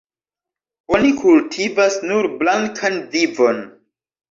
Oni kultivas nur blankan vinon.